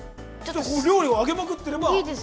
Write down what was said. ◆料理を上げまくっていれば。